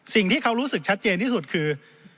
สิ่งที่เขารู้สึกชัดเจนที่สุดคือ